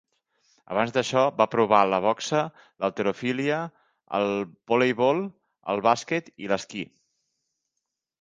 Abans d'això va provar la boxa, l'halterofília, el voleibol, el bàsquet i l'esquí.